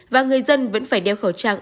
và người dân vẫn phải đeo khẩu trang